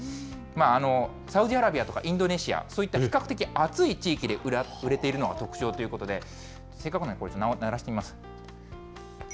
サウジアラビアとか、インドネシア、そういった比較的暑い地域で売れているのが特徴ということで、せっかくなんで鳴らしてみます。